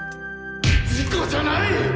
事故じゃない！